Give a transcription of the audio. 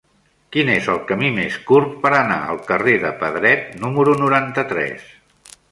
Quin és el camí més curt per anar al carrer de Pedret número noranta-tres?